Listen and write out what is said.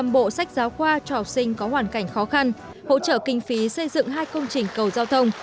một trăm bộ sách giáo khoa cho học sinh có hoàn cảnh khó khăn hỗ trợ kinh phí xây dựng hai công trình cầu giao thông